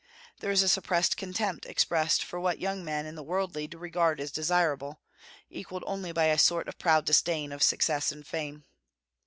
There is a suppressed contempt expressed for what young men and the worldly regard as desirable, equalled only by a sort of proud disdain of success and fame.